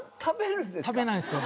食べないんですよ